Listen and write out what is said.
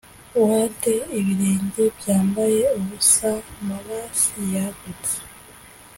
wade, ibirenge byambaye ubusa! morass yagutse